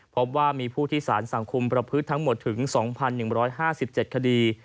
พบว่ามีผู้ที่สารสังคมประพฤติทั้งหมดถึง๒๑๕๗คดี